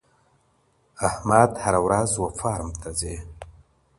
احمد هره ورځ و فارم ته ځي.